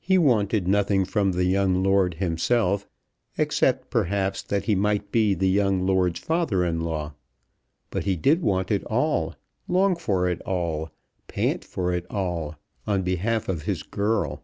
He wanted nothing from the young lord himself, except, perhaps, that he might be the young lord's father in law. But he did want it all, long for it all, pant for it all, on behalf of his girl.